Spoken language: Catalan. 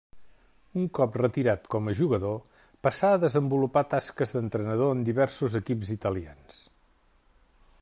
Un cop retirat com a jugador passà a desenvolupar tasques d'entrenador en diversos equips italians.